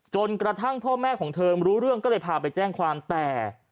จนกระทั่งพ่อแม่ของเธอรู้เรื่องก็เลยพาไปแจ้งความแต่